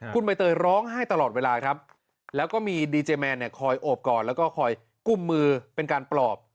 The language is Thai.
คุณใบเตยร้องไห้ตลอดเวลาครับแล้วก็มีดีเจแมนเนี่ยคอยโอบกอดแล้วก็คอยกุมมือเป็นการปลอบ